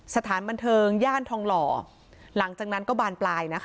สถานบันเทิงย่านทองหล่อหลังจากนั้นก็บานปลายนะคะ